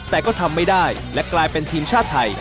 แต่ก็ทำไม่ได้และกลายเป็นทีมชาติไทย